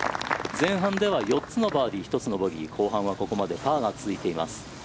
前半では４つのバーディー１つのボギー後半はここまでパーが続いています。